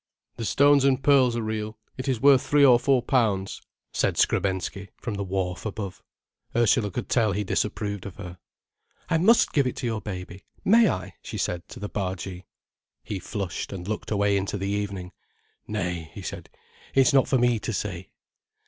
"The stones and pearl are real; it is worth three or four pounds," said Skrebensky from the wharf above. Ursula could tell he disapproved of her. "I must give it to your baby—may I?" she said to the bargee. He flushed, and looked away into the evening. "Nay," he said, "it's not for me to say."